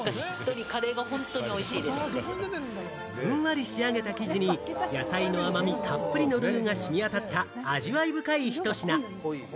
ふんわり仕上げた生地に、野菜の甘みたっぷりのルーが染み渡った、味わい深いひと品。